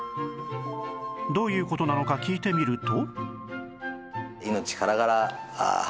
どういう事なのか聞いてみると